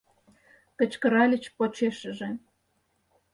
— кычкыральыч почешыже.